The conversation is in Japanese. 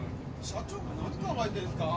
社長何考えてんすか。